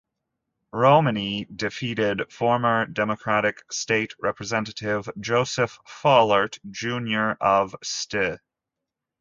Romine defeated former Democratic State Representative Joseph Fallert, Junior of Ste.